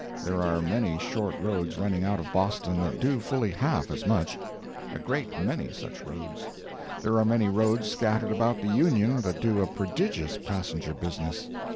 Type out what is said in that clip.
There are many short roads running out of Boston that do fully half as much; a great many such roads. There are many roads scattered about the Union that do a prodigious passenger business.